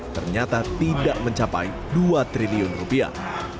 ternyata tidak mencapai dua triliun rupiah